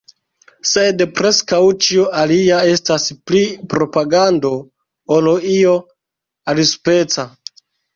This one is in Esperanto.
Sed preskaŭ ĉio alia estas pli propagando ol io alispeca.